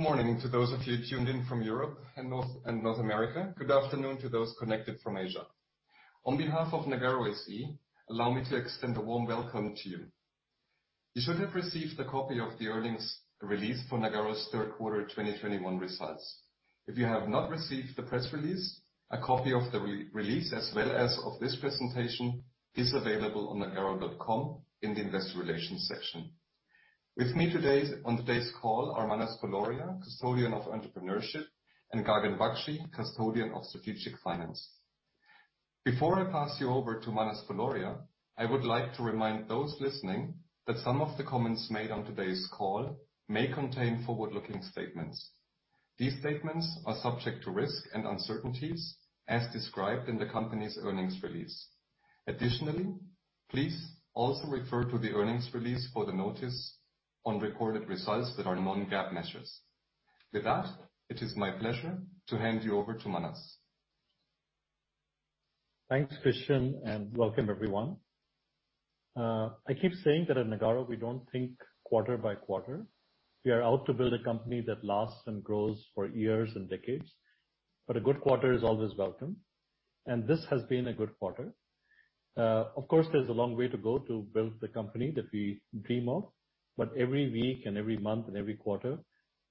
Good morning to those of you tuned in from Europe and North America. Good afternoon to those connected from Asia. On behalf of Nagarro SE, allow me to extend a warm welcome to you. You should have received a copy of the earnings release for Nagarro's third quarter 2021 results. If you have not received the press release, a copy of the re-release, as well as of this presentation, is available on nagarro.com in the investor relations section. With me today, on today's call are Manas Fuloria, Custodian of Entrepreneurship, and Gagan Bakshi, Custodian of Strategic Finance. Before I pass you over to Manas Fuloria, I would like to remind those listening that some of the comments made on today's call may contain forward-looking statements. These statements are subject to risk and uncertainties as described in the company's earnings release. Additionally, please also refer to the earnings release for the notice on recorded results that are non-GAAP measures. With that, it is my pleasure to hand you over to Manas. Thanks, Christian, and welcome everyone. I keep saying that at Nagarro we don't think quarter by quarter. We are out to build a company that lasts and grows for years and decades, but a good quarter is always welcome, and this has been a good quarter. Of course, there's a long way to go to build the company that we dream of, but every week and every month and every quarter,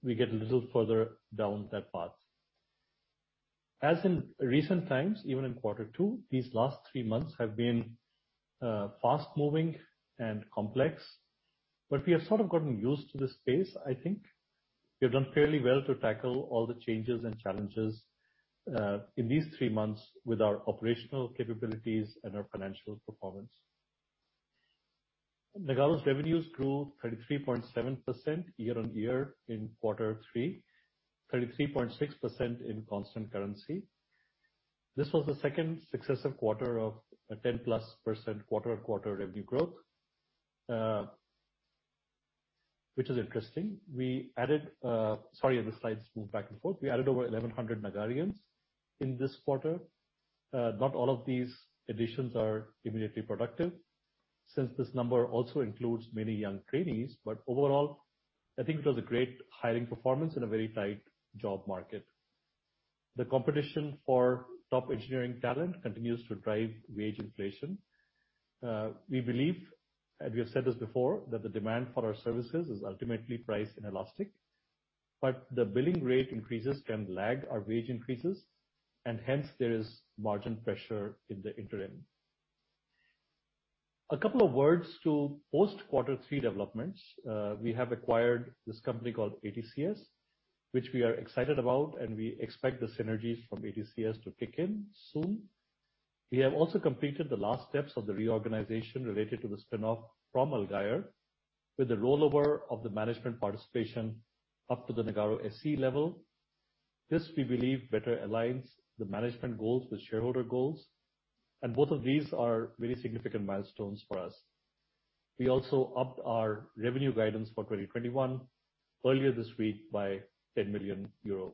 we get a little further down that path. As in recent times, even in quarter two, these last three months have been fast-moving and complex, but we have sort of gotten used to this pace, I think. We have done fairly well to tackle all the changes and challenges in these three months with our operational capabilities and our financial performance. Nagarro's revenues grew 33.7% year-on-year in quarter three, 33.6% in constant currency. This was the second successive quarter of a 10%+ quarter-on-quarter revenue growth, which is interesting. Sorry, the slides move back and forth. We added over 1,100 Nagarrians in this quarter. Not all of these additions are immediately productive since this number also includes many young trainees. Overall, I think it was a great hiring performance in a very tight job market. The competition for top engineering talent continues to drive wage inflation. We believe, and we have said this before, that the demand for our services is ultimately price inelastic, but the billing rate increases can lag our wage increases, and hence there is margin pressure in the interim. A couple of words to post-quarter three developments. We have acquired this company called ATCS, which we are excited about, and we expect the synergies from ATCS to kick in soon. We have also completed the last steps of the reorganization related to the spin-off from Allgeier, with the rollover of the management participation up to the Nagarro SE level. This, we believe, better aligns the management goals with shareholder goals, and both of these are very significant milestones for us. We also upped our revenue guidance for 2021 earlier this week by 10 million euro.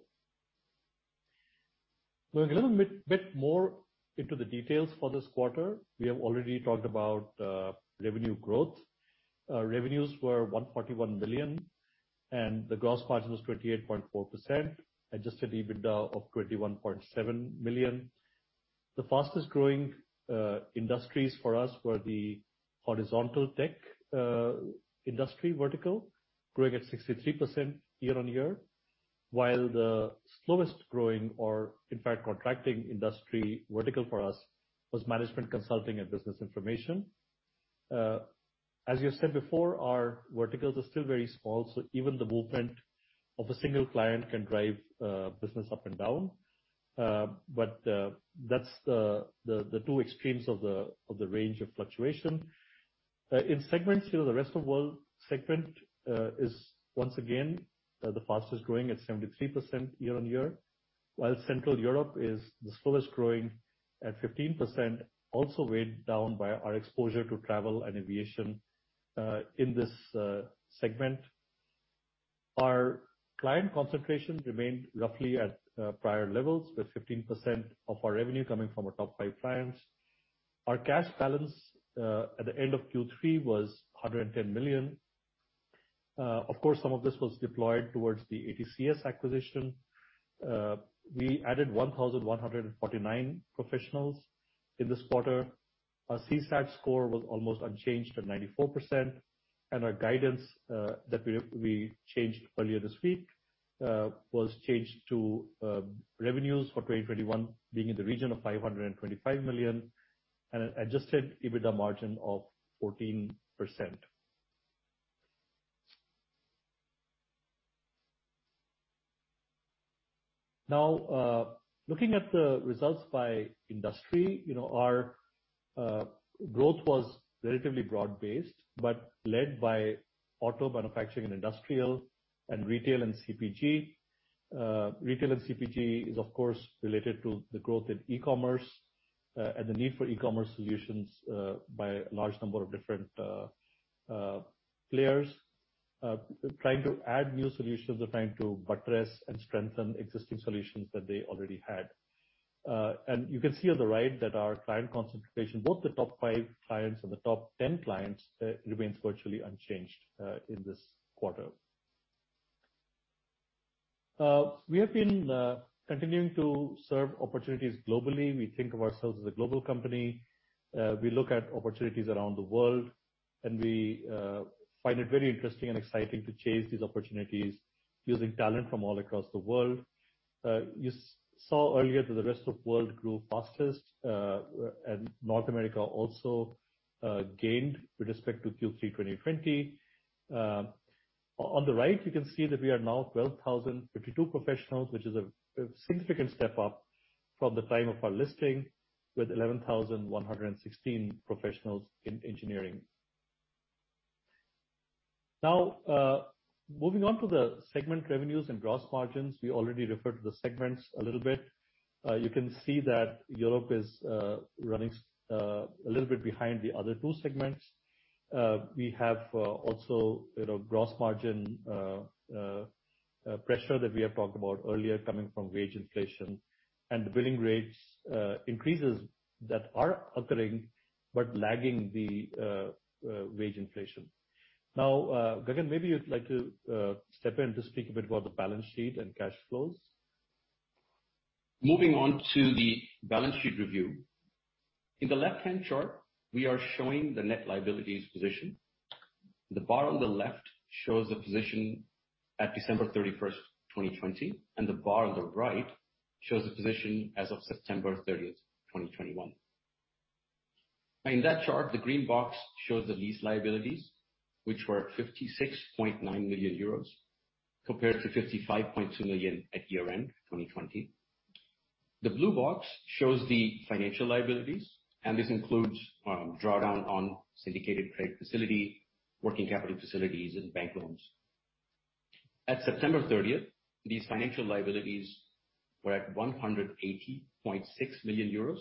Going a little bit more into the details for this quarter, we have already talked about revenue growth. Revenues were 141 million, and the gross margin was 28.4%. Adjusted EBITDA of 21.7 million. The fastest growing industries for us were the horizontal tech industry vertical, growing at 63% year-on-year, while the slowest growing or, in fact, contracting industry vertical for us was management consulting and business information. As we have said before, our verticals are still very small, so even the movement of a single client can drive business up and down. That's the two extremes of the range of fluctuation. In segments, you know, the rest of world segment is once again the fastest growing at 73% year-on-year, while Central Europe is the slowest growing at 15%, also weighed down by our exposure to travel and aviation in this segment. Our client concentration remained roughly at prior levels, with 15% of our revenue coming from our top five clients. Our cash balance at the end of Q3 was 110 million. Of course, some of this was deployed towards the ATCS acquisition. We added 1,149 professionals in this quarter. Our CSAT score was almost unchanged at 94%, and our guidance that we changed earlier this week was changed to revenues for 2021 being in the region of 525 million and an adjusted EBITDA margin of 14%. Now, looking at the results by industry, you know, our growth was relatively broad-based, but led by auto manufacturing and industrial and retail and CPG. Retail and CPG is, of course, related to the growth in e-commerce and the need for e-commerce solutions by a large number of different players. Trying to add new solutions or trying to buttress and strengthen existing solutions that they already had. You can see on the right that our client concentration, both the top 5 clients and the top 10 clients, remains virtually unchanged in this quarter. We have been continuing to serve opportunities globally. We think of ourselves as a global company. We look at opportunities around the world, and we find it very interesting and exciting to chase these opportunities using talent from all across the world. You saw earlier that the rest of world grew fastest, and North America also gained with respect to Q3 2020. On the right, you can see that we are now 12,052 professionals, which is a significant step up from the time of our listing with 11,116 professionals in engineering. Now, moving on to the segment revenues and gross margins. We already referred to the segments a little bit. You can see that Europe is running a little bit behind the other two segments. We have also, you know, gross margin pressure that we have talked about earlier coming from wage inflation and the billing rates increases that are occurring, but lagging the wage inflation. Now, Gagan, maybe you'd like to step in to speak a bit about the balance sheet and cash flows. Moving on to the balance sheet review. In the left-hand chart, we are showing the net liabilities position. The bar on the left shows the position at December 31st, 2020, and the bar on the right shows the position as of September 30th, 2021. In that chart, the green box shows the lease liabilities, which were 56.9 million euros compared to 55.2 million at year-end 2020. The blue box shows the financial liabilities, and this includes drawdown on syndicated credit facility, working capital facilities, and bank loans. At September 30th, these financial liabilities were at 180.6 million euros,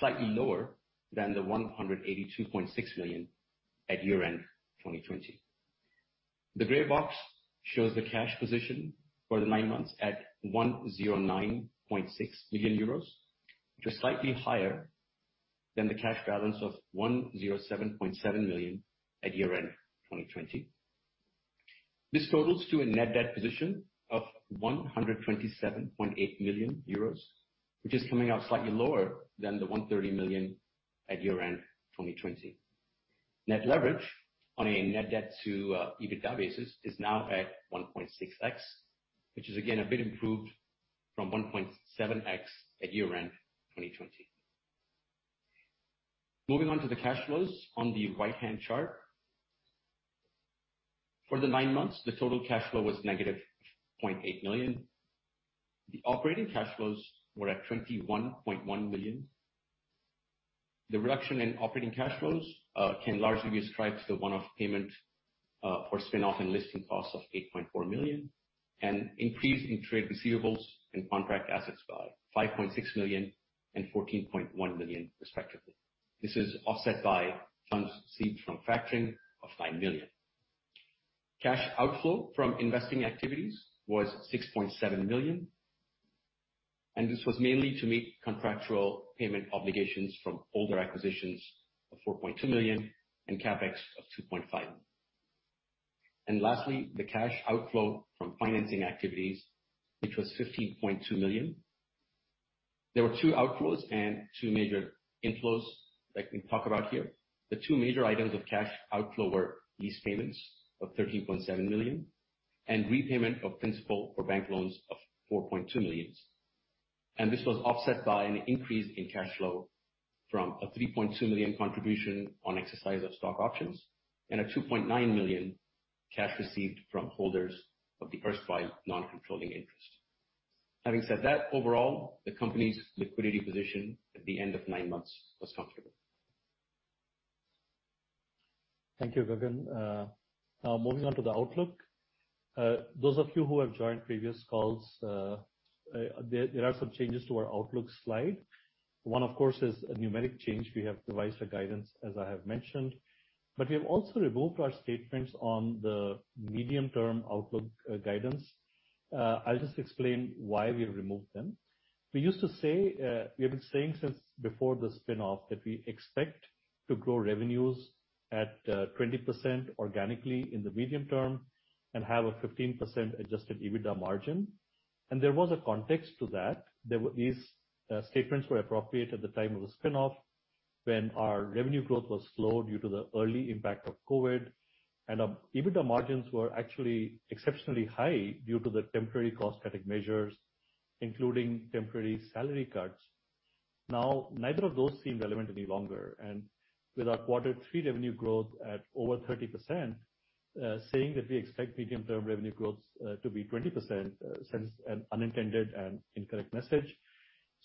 slightly lower than the 182.6 million at year-end 2020. The gray box shows the cash position for the nine months at 109.6 million euros, which is slightly higher than the cash balance of 107.7 million at year-end 2020. This totals to a net debt position of 127.8 million euros, which is coming out slightly lower than the 130 million at year-end 2020. Net leverage on a net debt to EBITDA basis is now at 1.6x, which is again a bit improved from 1.7x at year-end 2020. Moving on to the cash flows on the right-hand chart. For the nine months, the total cash flow was -0.8 million. The operating cash flows were at 21.1 million. The reduction in operating cash flows can largely be ascribed to the one-off payment for spin-off and listing costs of 8.4 million and increase in trade receivables and contract assets by 5.6 million and 14.1 million, respectively. This is offset by funds received from factoring of 9 million. Cash outflow from investing activities was 6.7 million, and this was mainly to meet contractual payment obligations from older acquisitions of 4.2 million and CapEx of 2.5 million. Lastly, the cash outflow from financing activities, which was 15.2 million. There were two outflows and two major inflows that we talk about here. The two major items of cash outflow were lease payments of 13.7 million and repayment of principal for bank loans of 4.2 million. This was offset by an increase in cash flow from a 3.2 million contribution on exercise of stock options and a 2.9 million cash received from holders of the first five non-controlling interest. Having said that, overall, the company's liquidity position at the end of nine months was comfortable. Thank you, Gagan. Now moving on to the outlook. Those of you who have joined previous calls, there are some changes to our outlook slide. One, of course, is a numeric change. We have revised our guidance, as I have mentioned, but we have also removed our statements on the medium-term outlook guidance. I'll just explain why we have removed them. We used to say, we have been saying since before the spin-off that we expect to grow revenues at 20% organically in the medium-term and have a 15% adjusted EBITDA margin. There was a context to that. These statements were appropriate at the time of the spin-off when our revenue growth was slow due to the early impact of COVID, and our EBITDA margins were actually exceptionally high due to the temporary cost-cutting measures, including temporary salary cuts. Now, neither of those seem relevant any longer. With our quarter three revenue growth at over 30%, saying that we expect medium-term revenue growth to be 20% sends an unintended and incorrect message.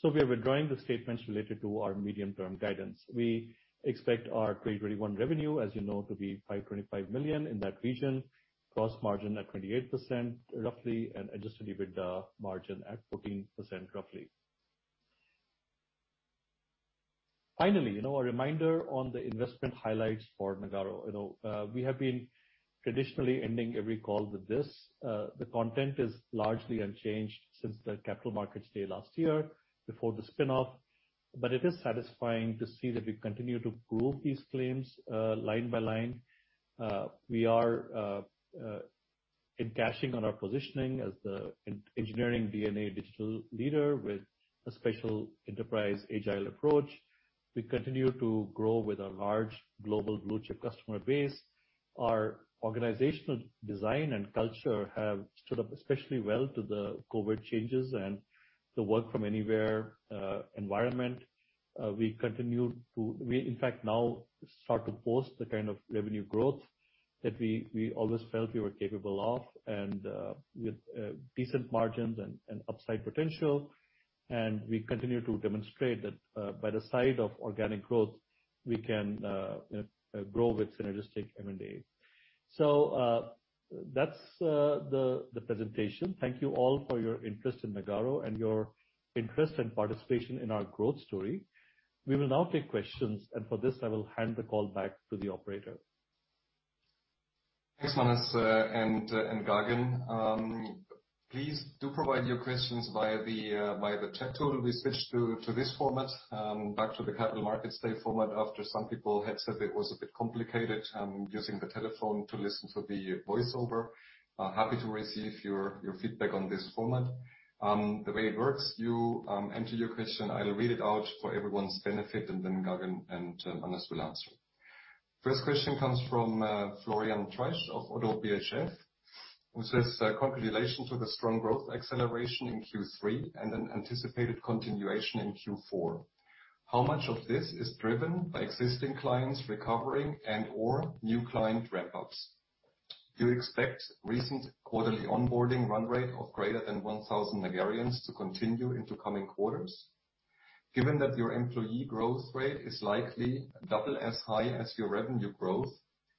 We are withdrawing the statements related to our medium-term guidance. We expect our FY 2021 revenue, as you know, to be 525 million in that range, gross margin at 28% roughly, and adjusted EBITDA margin at 14% roughly. Finally, you know, a reminder on the investment highlights for Nagarro. You know, we have been traditionally ending every call with this. The content is largely unchanged since the capital markets day last year before the spin-off, but it is satisfying to see that we continue to prove these claims line by line. We are cashing in on our positioning as the engineering DNA digital leader with a special enterprise agile approach. We continue to grow with our large global blue-chip customer base. Our organizational design and culture have stood up especially well to the COVID changes and the work from anywhere environment. We in fact now start to post the kind of revenue growth that we always felt we were capable of and with decent margins and upside potential. We continue to demonstrate that by the side of organic growth we can grow with synergistic M&A. That's the presentation. Thank you all for your interest in Nagarro and your interest and participation in our growth story. We will now take questions, and for this, I will hand the call back to the operator. Thanks, Manas and Gagan. Please do provide your questions via the chat tool. We switched to this format back to the Capital Markets Day format after some people had said it was a bit complicated using the telephone to listen for the voice over. Happy to receive your feedback on this format. The way it works, you enter your question, I'll read it out for everyone's benefit, and then Gagan and Manas will answer. First question comes from Florian Treich of ODDO BHF, who says, "Congratulations with the strong growth acceleration in Q3 and an anticipated continuation in Q4. How much of this is driven by existing clients recovering and/or new client ramp-ups? Do you expect recent quarterly onboarding run rate of greater than 1,000 Nagarrians to continue into coming quarters? Given that your employee growth rate is likely double as high as your revenue growth,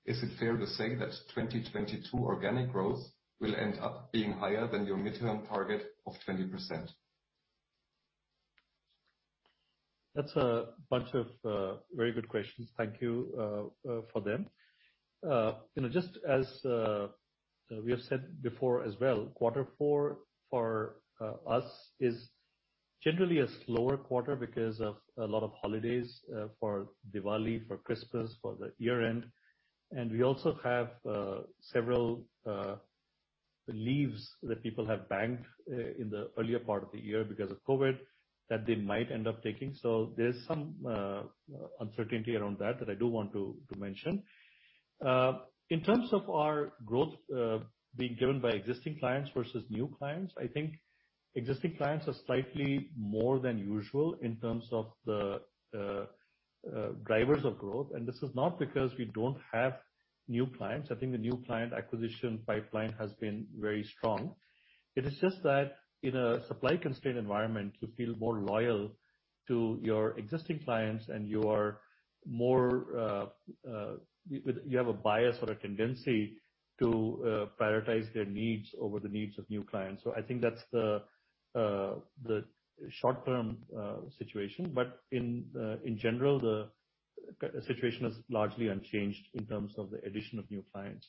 is it fair to say that 2022 organic growth will end up being higher than your midterm target of 20%? That's a bunch of very good questions. Thank you for them. You know, just as we have said before as well, quarter four for us is generally a slower quarter because of a lot of holidays for Diwali, for Christmas, for the year-end. We also have several leaves that people have banked in the earlier part of the year because of COVID that they might end up taking. There's some uncertainty around that that I do want to mention. In terms of our growth being driven by existing clients versus new clients, I think existing clients are slightly more than usual in terms of the drivers of growth. This is not because we don't have new clients. I think the new client acquisition pipeline has been very strong. It is just that in a supply constrained environment, you feel more loyal to your existing clients, and you have a bias or a tendency to prioritize their needs over the needs of new clients. I think that's the short-term situation. In general, the client situation is largely unchanged in terms of the addition of new clients.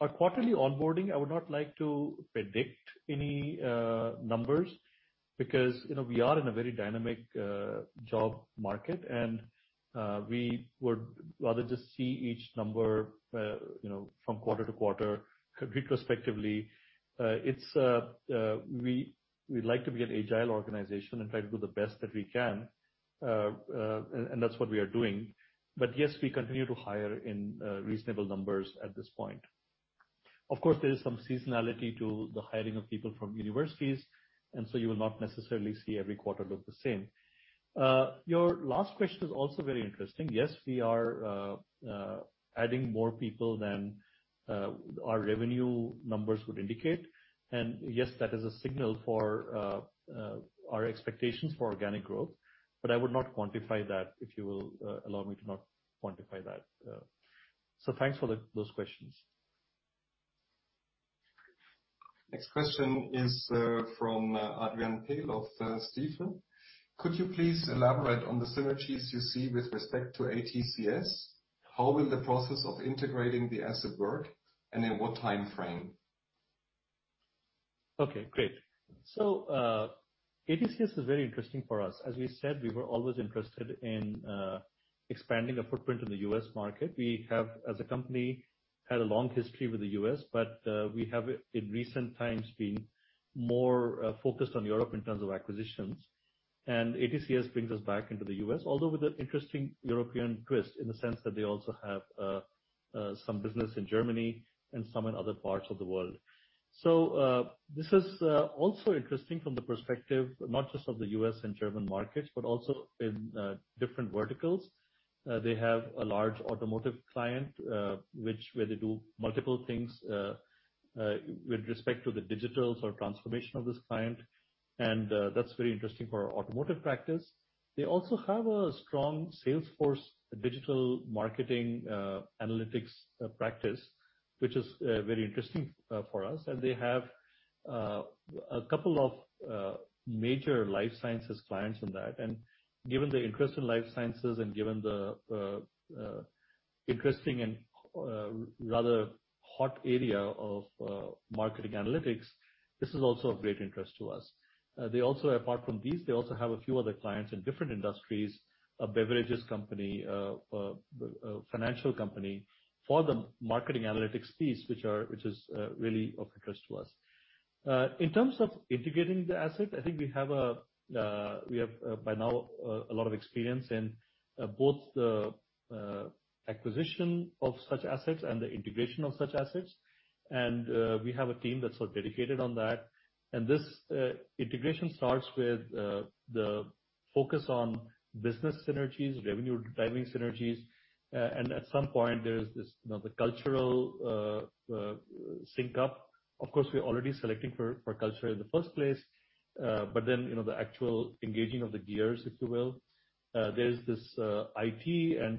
Our quarterly onboarding, I would not like to predict any numbers because, you know, we are in a very dynamic job market and we would rather just see each number, you know, from quarter to quarter retrospectively. We like to be an agile organization and try to do the best that we can. That's what we are doing. Yes, we continue to hire in reasonable numbers at this point. Of course, there is some seasonality to the hiring of people from universities, and you will not necessarily see every quarter look the same. Your last question is also very interesting. Yes, we are adding more people than our revenue numbers would indicate. Yes, that is a signal for our expectations for organic growth. I would not quantify that, if you will, allow me to not quantify that. Thanks for those questions. Next question is from Adrian Pehl of Stifel. Could you please elaborate on the synergies you see with respect to ATCS? How will the process of integrating the asset work, and in what time frame? Okay, great. ATCS is very interesting for us. As we said, we were always interested in expanding a footprint in the U.S. market. We have, as a company, had a long history with the U.S., but we have in recent times been more focused on Europe in terms of acquisitions. ATCS brings us back into the U.S., although with an interesting European twist in the sense that they also have some business in Germany and some in other parts of the world. This is also interesting from the perspective not just of the U.S. and German markets but also in different verticals. They have a large automotive client, which they do multiple things with respect to the digital transformation of this client, and that's very interesting for our automotive practice. They have a strong Salesforce digital marketing, analytics practice, which is very interesting for us. They have a couple of major life sciences clients in that. Given the interest in life sciences and given the interesting and rather hot area of marketing analytics, this is also of great interest to us. They also, apart from these, have a few other clients in different industries, a beverages company, a financial company for the marketing analytics piece, which is really of interest to us. In terms of integrating the asset, I think we have by now a lot of experience in both the acquisition of such assets and the integration of such assets. We have a team that's sort of dedicated on that. This integration starts with the focus on business synergies, revenue-driving synergies. At some point, there's this, you know, the cultural sync up. Of course, we're already selecting for culture in the first place. You know, the actual engaging of the gears, if you will. There's this IT and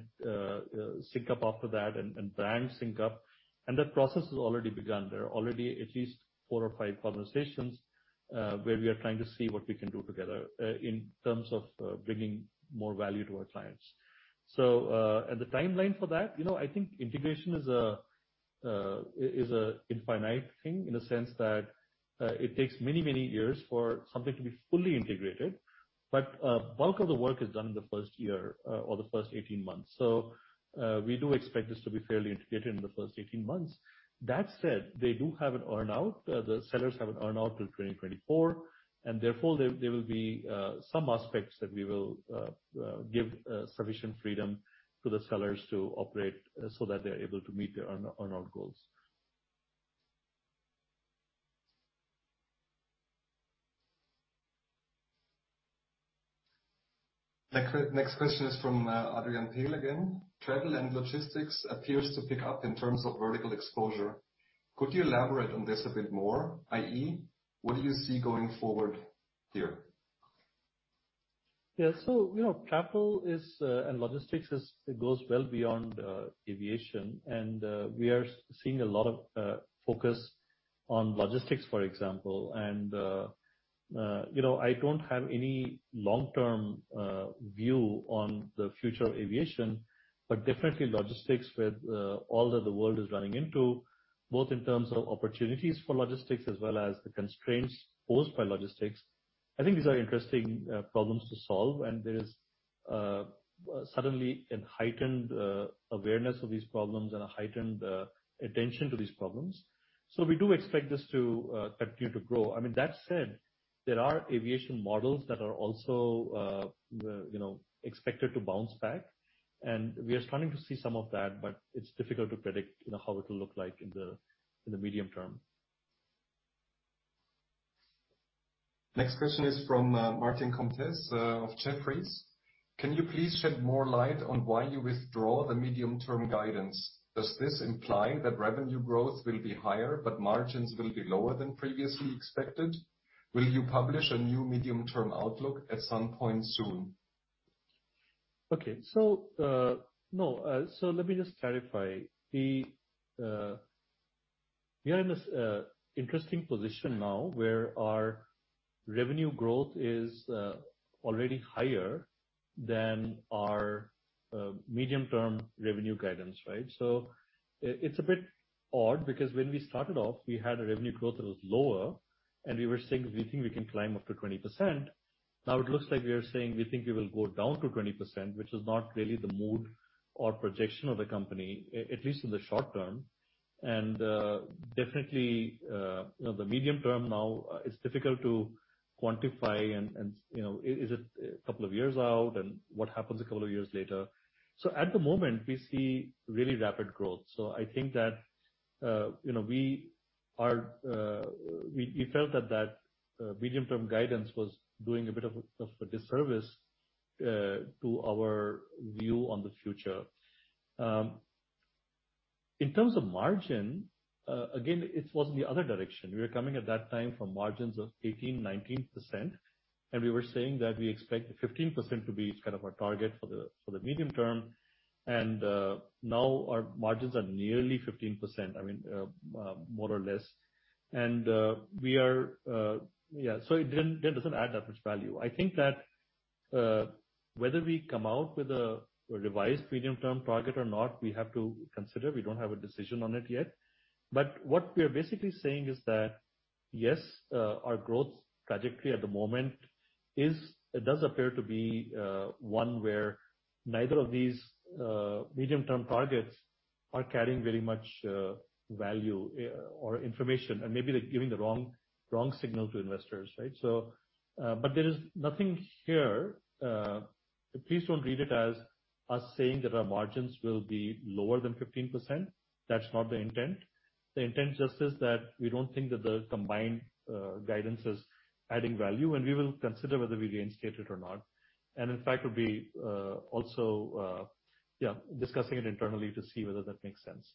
sync up after that and brand sync up. That process has already begun. There are already at least four or five conversations where we are trying to see what we can do together in terms of bringing more value to our clients. The timeline for that, you know, I think integration is an infinite thing in a sense that it takes many, many years for something to be fully integrated. Bulk of the work is done in the first year, or the first 18 months. We do expect this to be fairly integrated in the first 18 months. That said, they do have an earn-out. The sellers have an earn-out till 2024, and therefore there will be some aspects that we will give sufficient freedom to the sellers to operate so that they're able to meet their earn-out goals. Next question is from Adrian Pehl again. Travel and logistics appears to pick up in terms of vertical exposure. Could you elaborate on this a bit more, i.e., what do you see going forward here? Yeah. So, you know, travel and logistics goes well beyond aviation. We are seeing a lot of focus on logistics, for example. You know, I don't have any long-term view on the future of aviation, but definitely logistics with all that the world is running into, both in terms of opportunities for logistics as well as the constraints posed by logistics. I think these are interesting problems to solve, and there is suddenly a heightened awareness of these problems and a heightened attention to these problems. We do expect this to continue to grow. I mean, that said, there are aviation models that are also, you know, expected to bounce back, and we are starting to see some of that, but it's difficult to predict, you know, how it will look like in the medium-term. Next question is from Martin Comtesse of Jefferies. Can you please shed more light on why you withdraw the medium-term guidance? Does this imply that revenue growth will be higher but margins will be lower than previously expected? Will you publish a new medium-term outlook at some point soon? Okay. No. Let me just clarify. We are in this interesting position now where our revenue growth is already higher than our medium-term revenue guidance, right? It's a bit odd because when we started off, we had a revenue growth that was lower, and we were saying, we think we can climb up to 20%. Now it looks like we are saying we think we will go down to 20%, which is not really the mood or projection of the company, at least in the short term. Definitely, you know, the medium-term now is difficult to quantify and, you know, is it a couple of years out, and what happens a couple of years later? At the moment, we see really rapid growth. I think that, you know, we felt that medium-term guidance was doing a bit of a disservice to our view on the future. In terms of margin, again, it was the other direction. We were coming at that time from margins of 18%-19%, and we were saying that we expect 15% to be kind of our target for the medium-term. Now our margins are nearly 15%. I mean, more or less. That doesn't add that much value. I think that whether we come out with a revised medium-term target or not, we have to consider. We don't have a decision on it yet. What we are basically saying is that, yes, our growth trajectory at the moment is it does appear to be one where neither of these medium-term targets are carrying very much value or information, and maybe they're giving the wrong signal to investors, right? There is nothing here. Please don't read it as us saying that our margins will be lower than 15%. That's not the intent. The intent just is that we don't think that the combined guidance is adding value, and we will consider whether we reinstate it or not. In fact, we'll be discussing it internally to see whether that makes sense.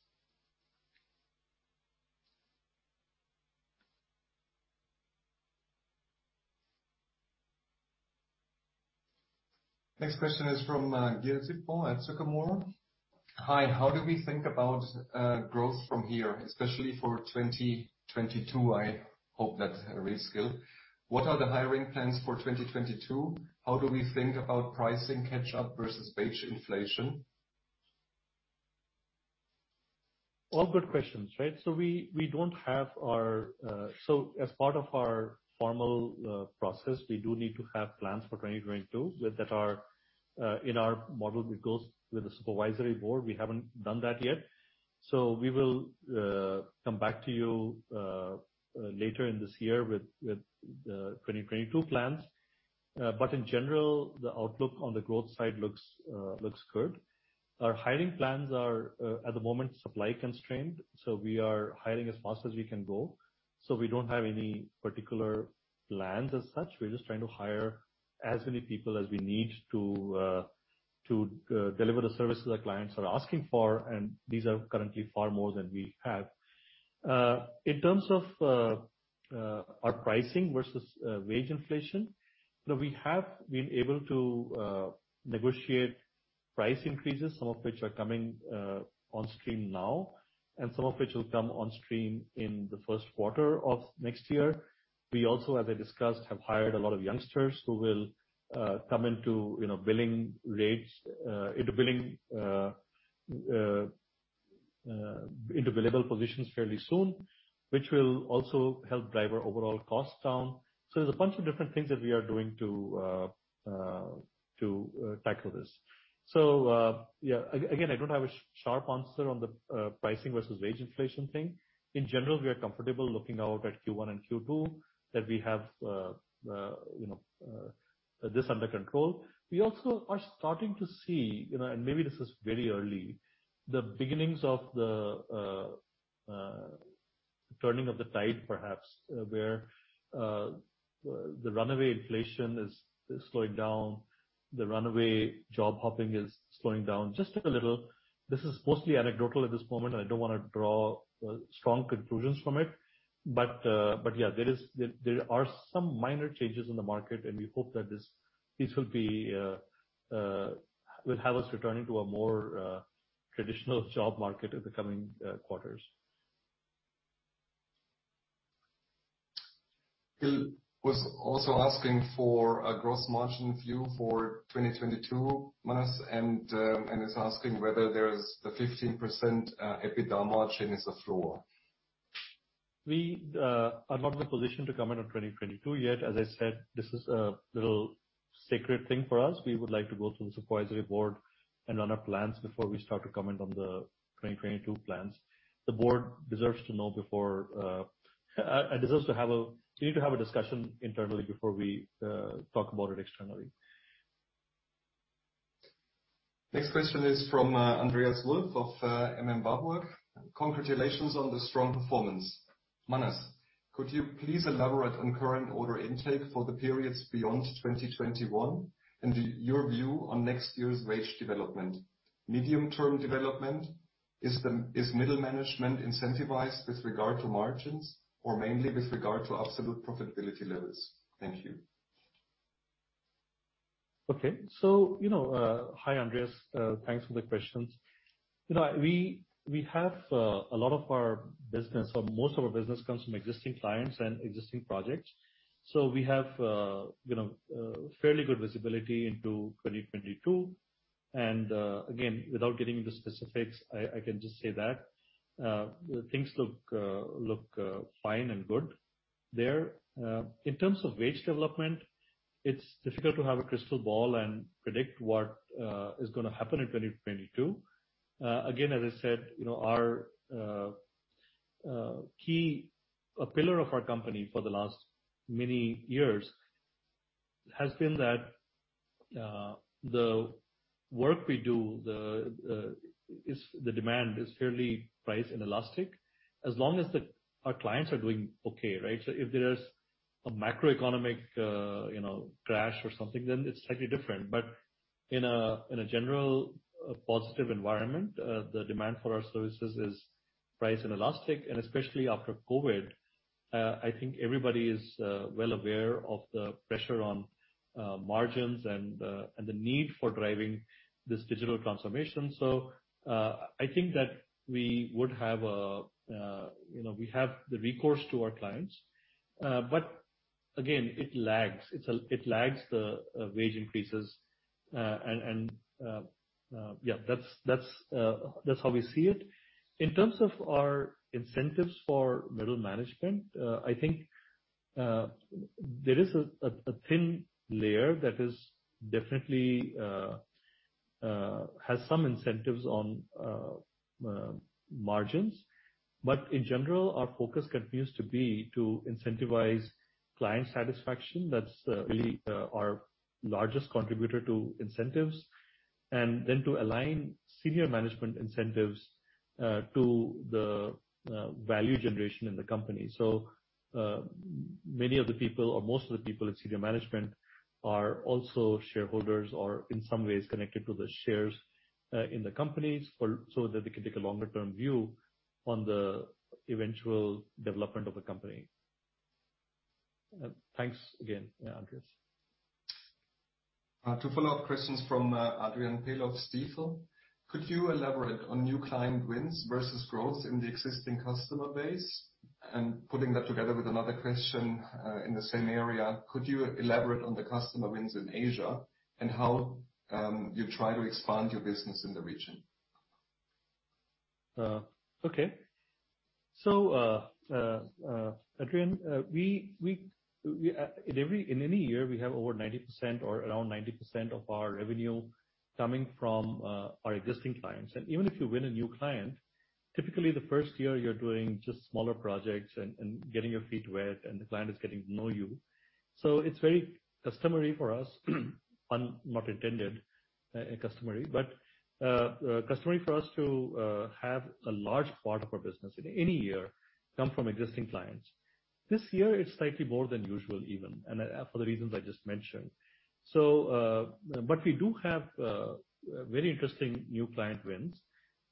Next question is from Gilles Dargnies at Sycomore. Hi. How do we think about growth from here, especially for 2022? I hope that's reskill. What are the hiring plans for 2022? How do we think about pricing catch-up versus wage inflation? All good questions, right? As part of our formal process, we do need to have plans for 2022 that are in our model that goes with the supervisory board. We haven't done that yet. We will come back to you later in this year with the 2022 plans. In general, the outlook on the growth side looks good. Our hiring plans are at the moment supply constrained, so we are hiring as fast as we can go. We don't have any particular plans as such. We're just trying to hire as many people as we need to deliver the services our clients are asking for, and these are currently far more than we have. In terms of our pricing versus wage inflation, you know, we have been able to negotiate price increases, some of which are coming on stream now, and some of which will come on stream in the first quarter of next year. We also, as I discussed, have hired a lot of youngsters who will come into billable positions fairly soon, which will also help drive our overall costs down. There's a bunch of different things that we are doing to tackle this. Yeah. Again, I don't have a sharp answer on the pricing versus wage inflation thing. In general, we are comfortable looking out at Q1 and Q2, that we have, you know, this under control. We also are starting to see, you know, and maybe this is very early, the beginnings of the turning of the tide, perhaps, where the runaway inflation is slowing down, the runaway job hopping is slowing down just a little. This is mostly anecdotal at this moment, and I don't want to draw strong conclusions from it. Yeah, there are some minor changes in the market, and we hope that this will have us returning to a more traditional job market in the coming quarters. Gilles was also asking for a gross margin view for 2022, Manas Fuloria, and is asking whether the 15% EBITDA margin is a floor. We are not in a position to comment on 2022 yet. As I said, this is a little sacred thing for us. We would like to go through the supervisory board and run our plans before we start to comment on the 2022 plans. The board deserves to know before we need to have a discussion internally before we talk about it externally. Next question is from Andreas Wolf of M.M.Warburg & Co. Congratulations on the strong performance. Manas, could you please elaborate on current order intake for the periods beyond 2021 and your view on next year's wage development? Medium-term development, is middle management incentivized with regard to margins or mainly with regard to absolute profitability levels? Thank you. Okay. You know, hi, Andreas, thanks for the questions. You know, we have a lot of our business or most of our business comes from existing clients and existing projects. We have you know, fairly good visibility into 2022. Again, without getting into specifics, I can just say that things look fine and good there. In terms of wage development, it's difficult to have a crystal ball and predict what is going to happen in 2022. Again, as I said, you know, a pillar of our company for the last many years has been that the work we do, the demand is fairly priced and elastic as long as our clients are doing okay, right? If there's a macroeconomic, you know, crash or something, then it's slightly different. In a general positive environment, the demand for our services is price elastic. Especially after COVID, I think everybody is well aware of the pressure on margins and the need for driving this digital transformation. I think that, you know, we have recourse to our clients. But again, it lags the wage increases. Yeah, that's how we see it. In terms of our incentives for middle management, I think there is a thin layer that definitely has some incentives on margins. But in general, our focus continues to be to incentivize client satisfaction. That's really our largest contributor to incentives. Then to align senior management incentives to the value generation in the company. Many of the people or most of the people in senior management are also shareholders or in some ways connected to the shares in the company, so that they can take a longer term view on the eventual development of the company. Thanks again, Andreas. To follow up on questions from Adrian Pehl of Stifel. Could you elaborate on new client wins versus growth in the existing customer base? Putting that together with another question in the same area, could you elaborate on the customer wins in Asia and how you try to expand your business in the region? Okay. Adrian, in any year, we have over 90% or around 90% of our revenue coming from our existing clients. Even if you win a new client, typically the first year you're doing just smaller projects and getting your feet wet, and the client is getting to know you. It's very customary for us, pun not intended, to have a large part of our business in any year come from existing clients. This year, it's slightly more than usual even for the reasons I just mentioned. But we do have very interesting new client wins,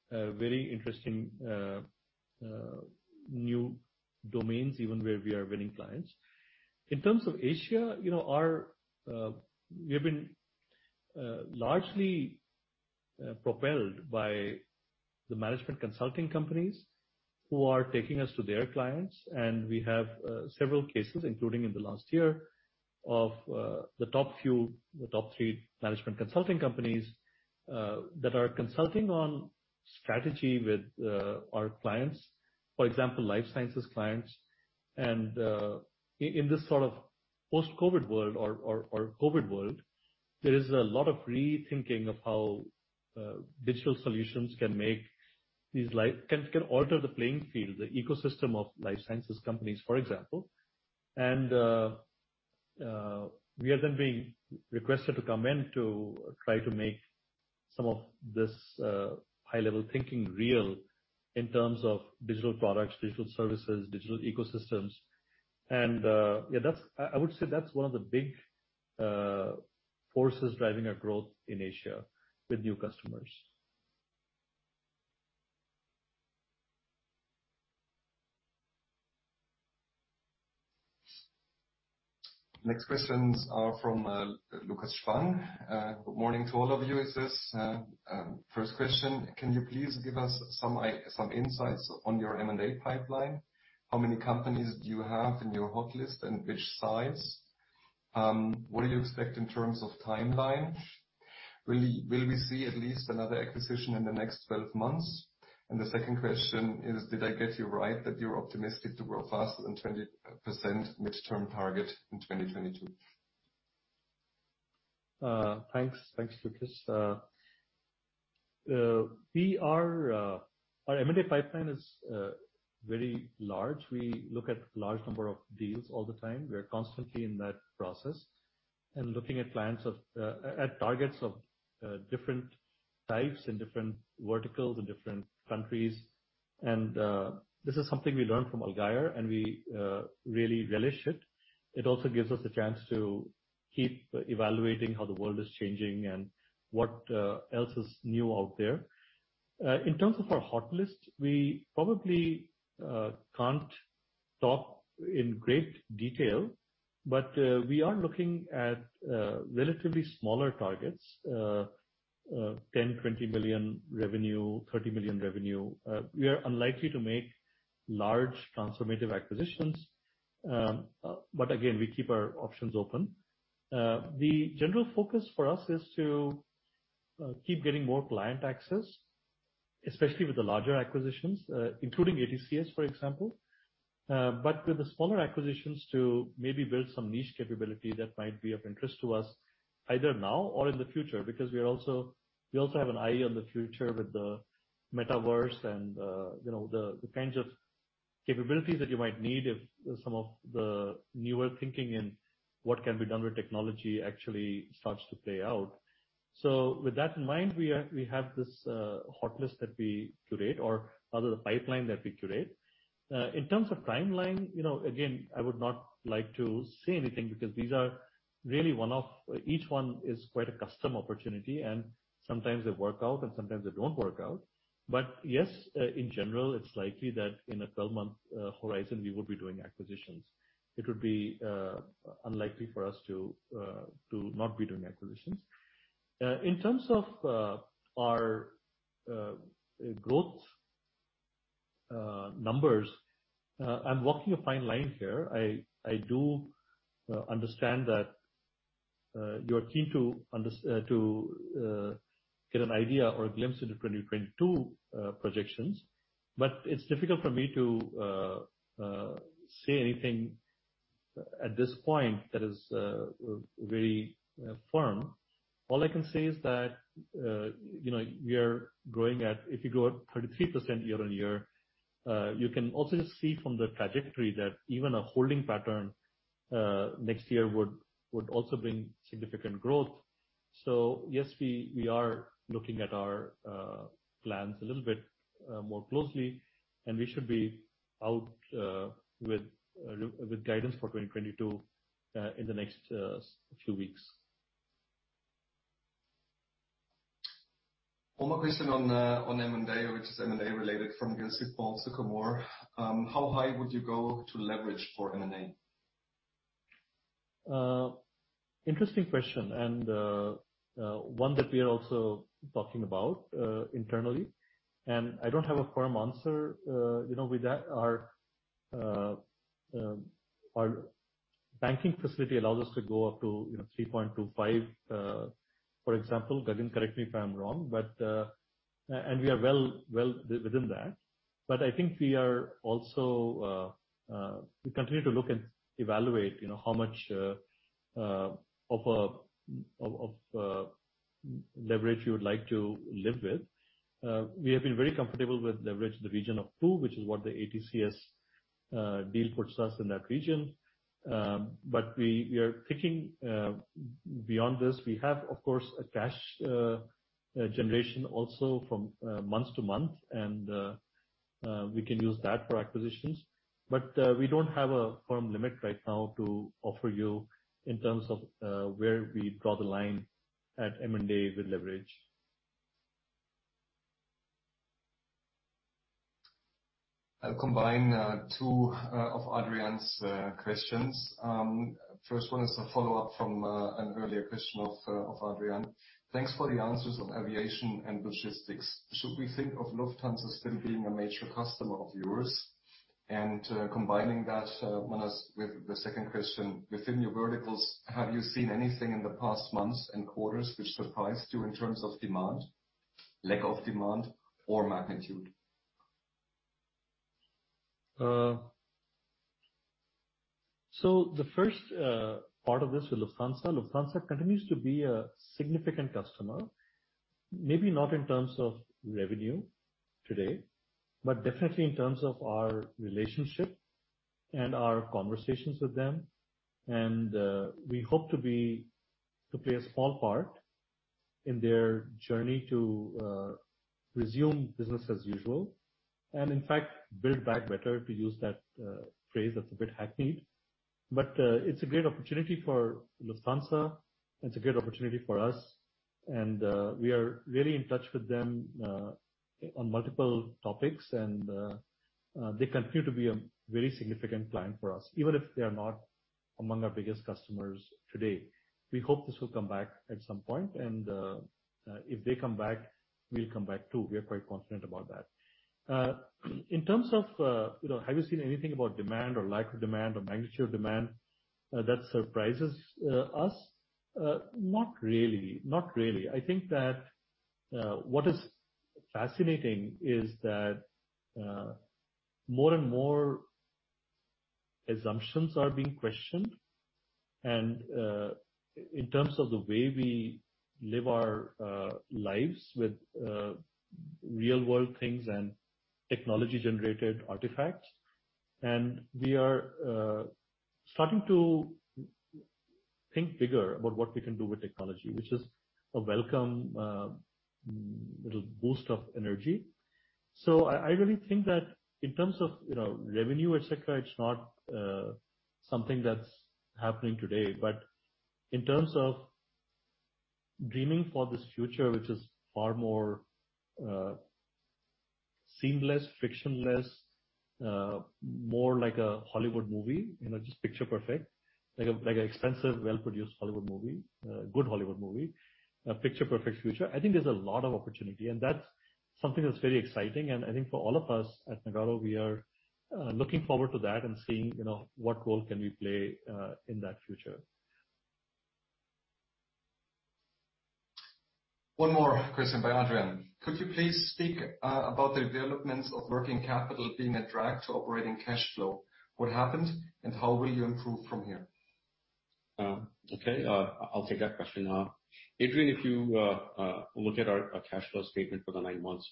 very interesting new domains even where we are winning clients. In terms of Asia, you know, we have been largely propelled by the management consulting companies who are taking us to their clients, and we have several cases, including in the last year, of the top three management consulting companies that are consulting on strategy with our clients. For example, life sciences clients and in this sort of post-COVID world or COVID world, there is a lot of rethinking of how digital solutions can alter the playing field, the ecosystem of life sciences companies, for example. We are then being requested to come in to try to make some of this high-level thinking real in terms of digital products, digital services, digital ecosystems. Yeah, I would say that's one of the big forces driving our growth in Asia with new customers. Next questions are from Lucas Fang. Good morning to all of you. This is my first question. Can you please give us some insights on your M&A pipeline? How many companies do you have in your hot list and which size? What do you expect in terms of timeline? Will we see at least another acquisition in the next 12 months? The second question is, did I get you right that you're optimistic to grow faster than 20% midterm target in 2022? \Thanks, Lucas. Our M&A pipeline is very large. We look at large number of deals all the time. We are constantly in that process and looking at targets of different types in different verticals, in different countries. This is something we learned from Allgeier, and we really relish it. It also gives us a chance to keep evaluating how the world is changing and what else is new out there. In terms of our hot list, we probably can't talk in great detail, but we are looking at relatively smaller targets, 10 million, 20 million revenue, 30 million revenue. We are unlikely to make large transformative acquisitions. We keep our options open. The general focus for us is to keep getting more client access, especially with the larger acquisitions, including ATCS, for example. With the smaller acquisitions to maybe build some niche capability that might be of interest to us either now or in the future, because we also have an eye on the future with the metaverse and you know, the kinds of capabilities that you might need if some of the newer thinking in what can be done with technology actually starts to play out. With that in mind, we have this hot list that we curate or rather the pipeline that we curate. In terms of timeline, you know, again, I would not like to say anything because these are really one-off. Each one is quite a custom opportunity, and sometimes they work out and sometimes they don't work out. Yes, in general, it's likely that in a 12-month horizon we would be doing acquisitions. It would be unlikely for us to not be doing acquisitions. In terms of our growth numbers, I'm walking a fine line here. I do understand that you're keen to get an idea or a glimpse into 2022 projections, but it's difficult for me to say anything at this point that is very firm. All I can say is that, you know, we are growing at If you grow at 33% year-on-year, you can also see from the trajectory that even a holding pattern next year would also bring significant growth. Yes, we are looking at our plans a little bit more closely and we should be out with guidance for 2022 in the next few weeks. One more question on M&A, which is M&A related from Gilles Dargnies, Sycomore. How high would you go to leverage for M&A? Interesting question and one that we are also talking about internally, and I don't have a firm answer. You know, with that, our banking facility allows us to go up to, you know, 3.25, for example. Gagan, correct me if I'm wrong, but and we are well within that. I think we continue to look and evaluate, you know, how much of leverage we would like to live with. We have been very comfortable with leverage in the region of two, which is what the ATCS deal puts us in that region. We are thinking beyond this. We have, of course, a cash generation also from month to month and we can use that for acquisitions. We don't have a firm limit right now to offer you in terms of where we draw the line at M&A with leverage. I'll combine two of Adrian's questions. First one is a follow-up from an earlier question of Adrian. Thanks for the answers of aviation and logistics. Should we think of Lufthansa still being a major customer of yours? Combining that, Manas, with the second question. Within your verticals, have you seen anything in the past months and quarters which surprised you in terms of demand, lack of demand or magnitude? The first part of this with Lufthansa. Lufthansa continues to be a significant customer, maybe not in terms of revenue today, but definitely in terms of our relationship and our conversations with them. We hope to play a small part in their journey to resume business as usual and in fact, build back better, to use that phrase that's a bit hackneyed. It's a great opportunity for Lufthansa. It's a great opportunity for us. We are really in touch with them on multiple topics. They continue to be a very significant client for us, even if they are not among our biggest customers today. We hope this will come back at some point, and if they come back, we'll come back too. We are quite confident about that. In terms of, you know, have you seen anything about demand or lack of demand or magnitude of demand that surprises us? Not really. I think that what is fascinating is that more and more assumptions are being questioned, and in terms of the way we live our lives with real world things and technology generated artifacts. We are starting to think bigger about what we can do with technology, which is a welcome little boost of energy. I really think that in terms of, you know, revenue, et cetera, it's not something that's happening today. In terms of dreaming for this future, which is far more seamless, frictionless, more like a Hollywood movie, you know, just picture perfect, like an expensive, well-produced Hollywood movie, a good Hollywood movie, a picture perfect future, I think there's a lot of opportunity and that's something that's very exciting. I think for all of us at Nagarro, we are looking forward to that and seeing, you know, what role can we play in that future. One more question by Adrian. Could you please speak about the developments of working capital being a drag to operating cash flow? What happened and how will you improve from here? Okay. I'll take that question. Adrian, if you look at our cash flow statement for the nine months,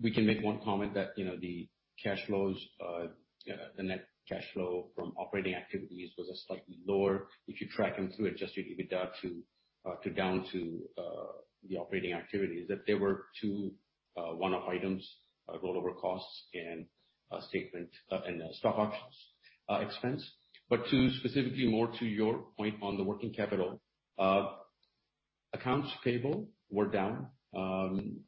we can make one comment that, you know, the cash flows, the net cash flow from operating activities was slightly lower. If you track them through adjusted EBITDA to down to the operating activities, that there were two one-off items, rollover costs and a settlement, and stock options expense. More specifically to your point on the working capital. Accounts payable were down, and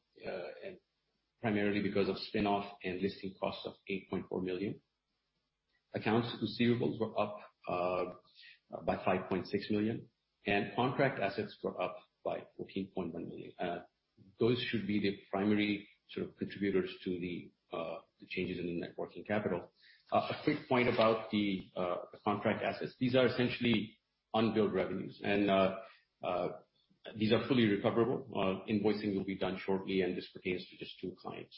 primarily because of spin-off and listing costs of 8.4 million. Accounts receivables were up by 5.6 million, and contract assets were up by 14.1 million. Those should be the primary sort of contributors to the changes in the net working capital. A quick point about the contract assets. These are essentially unbilled revenues, and these are fully recoverable. Invoicing will be done shortly, and this pertains to just two clients.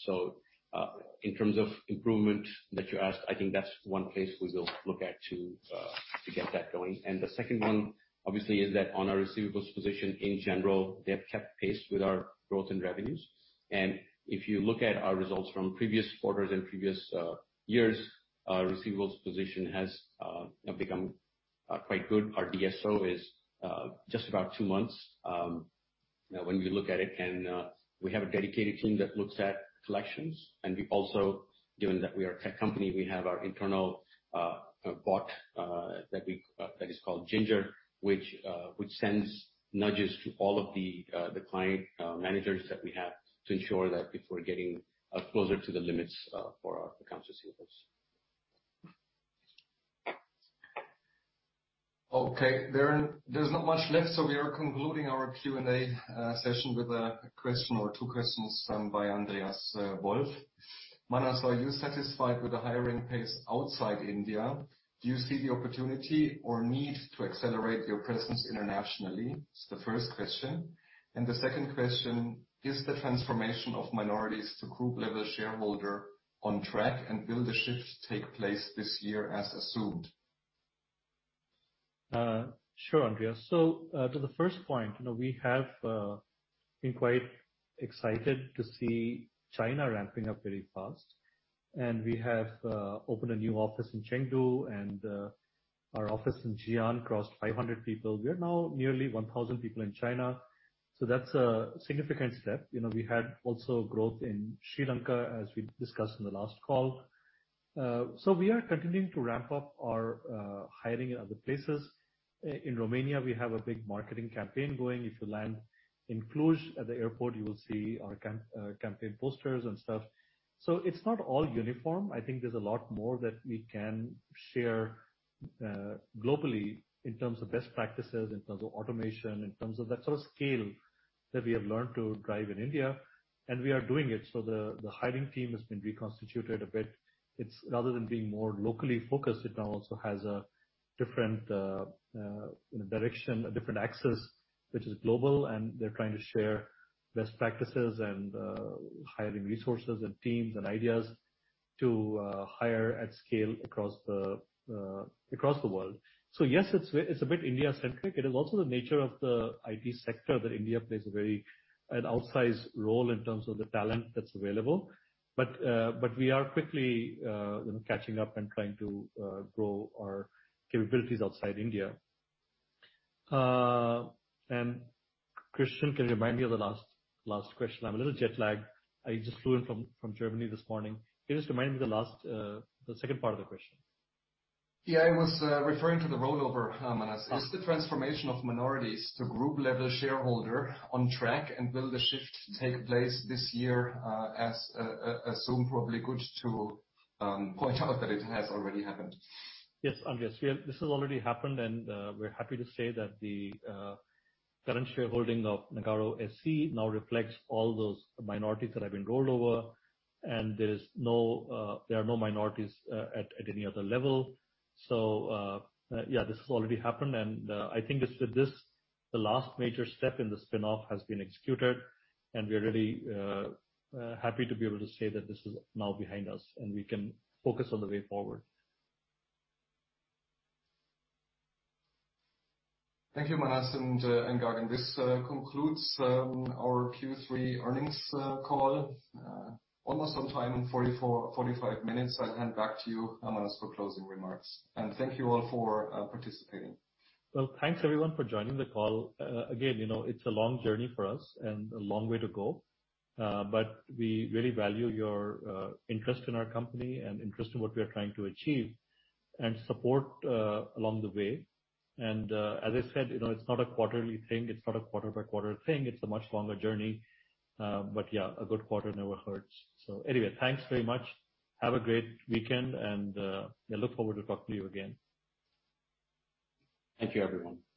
In terms of improvement that you asked, I think that's one place we will look at to get that going. The second one obviously is that on our receivables position in general, they have kept pace with our growth in revenues. If you look at our results from previous quarters and previous years, our receivables position has, you know, become quite good. Our DSO is just about two months when we look at it. We have a dedicated team that looks at collections. We also, given that we are a tech company, we have our internal bot that is called Ginger, which sends nudges to all of the client managers that we have to ensure that if we're getting closer to the limits for our accounts receivables. Okay, there's not much left, so we are concluding our Q&A session with a question or two questions by Andreas Wolf. Manas, are you satisfied with the hiring pace outside India? Do you see the opportunity or need to accelerate your presence internationally? It's the first question. The second question, is the transformation of minorities to group level shareholder on track? Will the shift take place this year as assumed? Sure, Andreas. To the first point, you know, we have been quite excited to see China ramping up very fast. We have opened a new office in Chengdu, and our office in Xi'an crossed 500 people. We are now nearly 1,000 people in China, so that's a significant step. You know, we had also growth in Sri Lanka, as we discussed in the last call. We are continuing to ramp up our hiring in other places. In Romania, we have a big marketing campaign going. If you land in Cluj, at the airport, you will see our campaign posters and stuff. It's not all uniform. I think there's a lot more that we can share globally in terms of best practices, in terms of automation, in terms of that sort of scale that we have learned to drive in India, and we are doing it. The hiring team has been reconstituted a bit. It's rather than being more locally focused, it now also has a different direction, a different axis, which is global, and they're trying to share best practices and hiring resources and teams and ideas to hire at scale across the world. Yes, it's a bit India-centric. It is also the nature of the IT sector that India plays a very outsized role in terms of the talent that's available. But we are quickly, you know, catching up and trying to grow our capabilities outside India. Christian, can you remind me of the last question? I'm a little jet lagged. I just flew in from Germany this morning. Can you just remind me the last, the second part of the question? Yeah. I was referring to the rollover, Manas. Is the transformation of minorities to group level shareholder on track? Will the shift take place this year, as assumed? Probably good to point out that it has already happened. Yes, Andreas. This has already happened, and we're happy to say that the current shareholding of Nagarro SE now reflects all those minorities that have been rolled over. There are no minorities at any other level. This has already happened, and I think it's with this, the last major step in the spin-off has been executed, and we're really happy to be able to say that this is now behind us, and we can focus on the way forward. Thank you, Manas and Gagan. This concludes our Q3 earnings call almost on time in 44-45 minutes. I'll hand back to you, Manas, for closing remarks. Thank you all for participating. Well, thanks, everyone for joining the call. Again, you know, it's a long journey for us and a long way to go. But we really value your interest in our company and interest in what we are trying to achieve and support along the way. As I said, you know, it's not a quarterly thing. It's not a quarter-by-quarter thing. It's a much longer journey. But yeah, a good quarter never hurts. Anyway, thanks very much. Have a great weekend, and we look forward to talking to you again. Thank you, everyone.